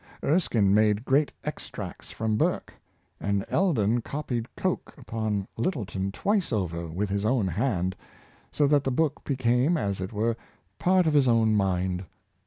Erskine made great extracts from Burke; and Eldon copied Coke upon Littleton twice over with his own hand, so that the book became, as it were, part of his own mind.